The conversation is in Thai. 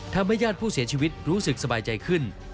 ญาติผู้เสียชีวิตรู้สึกสบายใจขึ้น